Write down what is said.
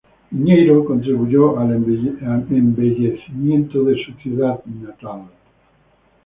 Piñeyro contribuyó al embellecimiento de su ciudad natal.